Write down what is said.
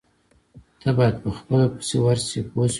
تۀ باید په خپله پسې ورشې پوه شوې!.